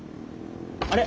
あれ？